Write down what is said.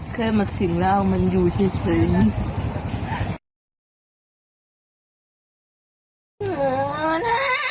เคยมักสิ่งราวมันอยู่ที่ฉัน